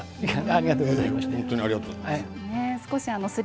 ありがとうございます。